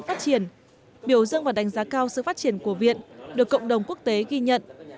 phát triển biểu dương và đánh giá cao sự phát triển của viện được cộng đồng quốc tế ghi nhận